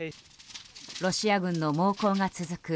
ロシア軍の猛攻が続く